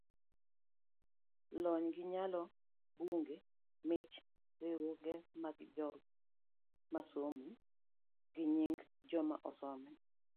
lony gi nyalo, buge, mich, riwruoge mag joma osomo, gi nying joma osomo